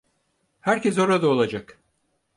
Herkes orada olacak.